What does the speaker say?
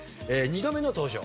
２度目の登場。